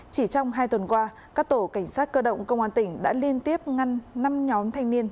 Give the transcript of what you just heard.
chỉ trong hai tuần qua các tổ cảnh sát cơ động công an tỉnh đã liên tiếp ngăn năm nhóm thanh niên